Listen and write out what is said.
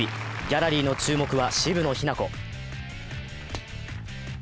ギャラリーの注目は渋野日向子。